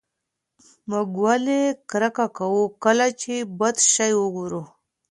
موږ ولې کرکه کوو کله چې بد شی وګورو؟